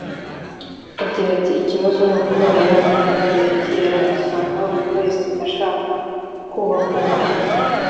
Agira ati “Ikibazo ni ukubera ya myumvire ya kera ugasanga buri wese ashaka kubaka ukwe